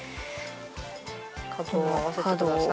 角を合わせてください。